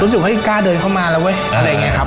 รู้สึกว่ากล้าเดินเข้ามาแล้วเว้ยอะไรอย่างนี้ครับ